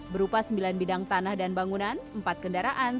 berupa sembilan bidang tanah dan bangunan empat kendaraan